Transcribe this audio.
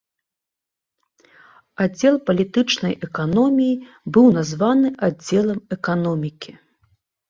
Аддзел палітычнай эканоміі быў названы аддзелам эканомікі.